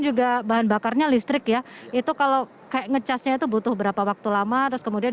juga bahan bakarnya listrik ya itu kalau kayak ngecasnya itu butuh berapa waktu lama terus kemudian